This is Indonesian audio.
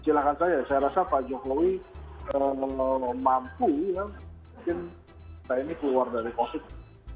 silahkan saya saya rasa pak jokowi mampu mungkin saya ini keluar dari posisi